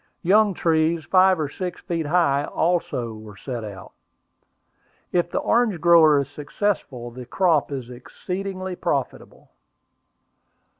Young trees, five or six feet high, are also set out. If the orange grower is successful, the crop is exceedingly profitable.